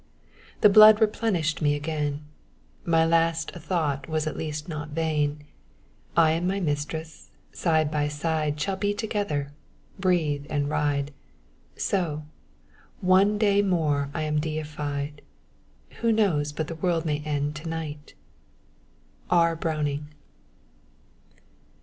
The blood replenished me again; My last thought was at least not vain: I and my mistress, side by side Shall be together, breathe and ride, So, one day more am I deified. Who knows but the world may end to night? R. Browning.